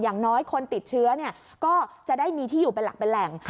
อย่างน้อยคนติดเชื้อก็จะได้มีที่อยู่เป็นหลักเป็นแหล่ง